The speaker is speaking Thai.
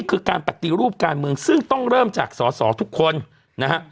คือการปฏิรูปการเมืองซึ่งต้องเริ่มจากสอสอทุกคนนะฮะ